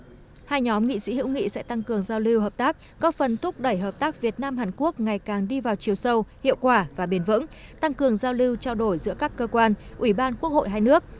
sau đó hai nhóm nghị sĩ hữu nghị sẽ tăng cường giao lưu hợp tác có phần thúc đẩy hợp tác việt nam hàn quốc ngày càng đi vào chiều sâu hiệu quả và bền vững tăng cường giao lưu trao đổi giữa các cơ quan ủy ban quốc hội hai nước